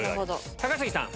高杉さん